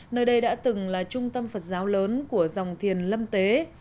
nơi đây đã từng là trung tâm phật giáo lớn của dòng thiền lâm tế